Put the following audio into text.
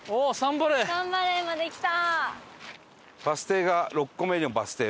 サンバレーまで来た！